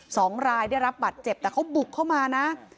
สองรายได้รับบัตรเจ็บแต่เขาบุกเข้ามานะ